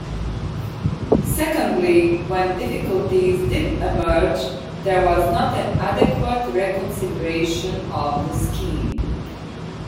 Secondly, when difficulties did emerge, there was not an adequate reconsideration of the scheme.